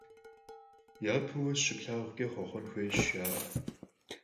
Yapeu vues şıplhağuç'e xhuexhuen xuêyş, jja'e.